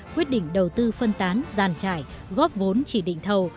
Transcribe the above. quyết định đầu tư phân tán giàn trải góp vốn chỉ định thầu